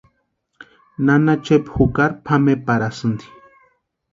Nana Chepa jukari pʼameparhasïnti.